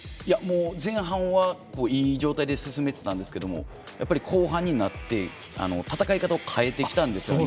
前半は、いい状態で進めてたんですけれどもやっぱり、後半になって戦い方を変えてきたんですね。